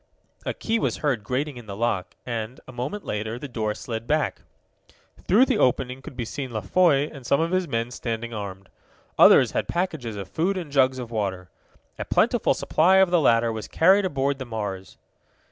A key was heard grating in the lock, and, a moment later, the door slid back. Through the opening could be seen La Foy and some of his men standing armed. Others had packages of food and jugs of water. A plentiful supply of the latter was carried aboard the Mars.